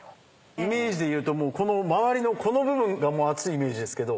イメージで言うと周りのこの部分が熱いイメージですけど。